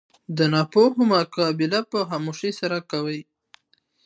د ناپوهانو مقابله په خاموشي سره کوئ!